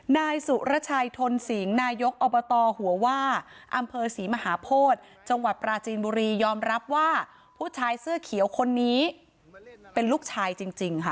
นายสุรชัยทนสิงนายกอบตหัวว่าอำเภอศรีมหาโพธิจังหวัดปราจีนบุรียอมรับว่าผู้ชายเสื้อเขียวคนนี้เป็นลูกชายจริงค่ะ